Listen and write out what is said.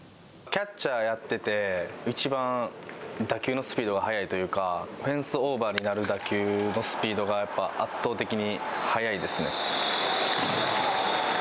キャッチャーやってて、いちばん、打球のスピードが速いというかフェンスオーバーになる打球のスピードがやっぱり圧倒的に速いですね。